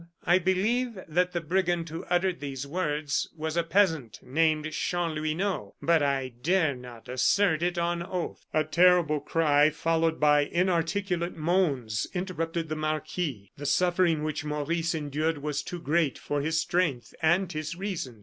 I believe that the brigand who uttered these words was a peasant named Chanlouineau, but I dare not assert it on oath." A terrible cry, followed by inarticulate moans, interrupted the marquis. The suffering which Maurice endured was too great for his strength and his reason.